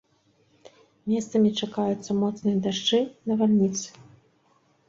Месцамі чакаюцца моцныя дажджы, навальніцы.